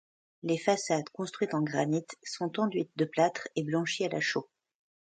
Les façades, construites en granite, sont enduites de plâtre et blanchies à la chaux.